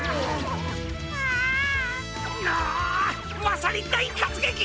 まさにだいかつげき！